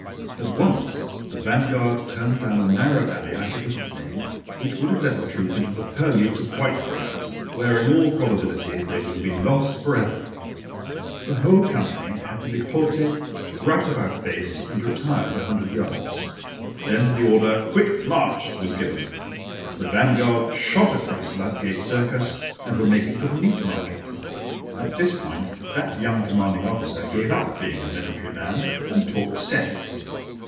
At once the vanguard turned down a narrow alley—I forget its name—which would have led the troop into the purlieus of Whitefriars, where, in all probability, they would have been lost for ever. The whole company had to be halted, right about faced, and retired a hundred yards. Then the order "Quick march!" was given. The vanguard shot across Ludgate Circus, and were making for the Meat Market. At this point that young commanding officer gave up being a military man and talked sense.